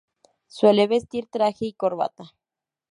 Suele vestir traje y corbata.